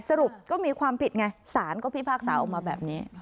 สรุปก็มีความผิดไงศาลก็พิพากษาออกมาแบบนี้